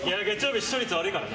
視聴率悪いからね。